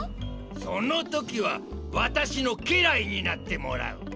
そのときはわたしのけらいになってもらう。